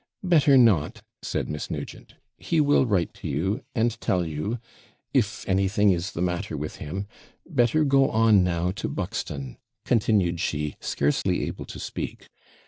'Better not!' said Miss Nugent; 'he will write to you, and tell you if anything is the matter with him. Better go on now to Buxton!' continued she, scarcely able to speak.